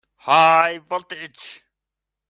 High voltage!